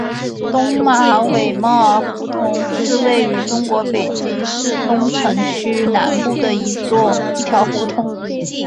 东马尾帽胡同是位于中国北京市东城区南部的一条胡同。